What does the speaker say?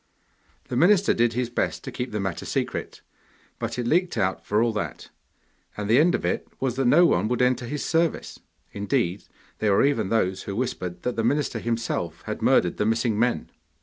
The minister did his best to keep the matter secret, but it leaked out for all that, and the end of it was that no one would enter his service. Indeed, there were even those who whispered that the minister himself had murdered the missing men!